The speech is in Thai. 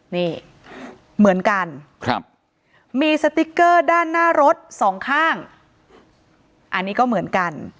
นี่เหมือนกันครับมีสติ๊กเกอร์ด้านหน้ารถสองข้างอันนี้ก็เหมือนกัน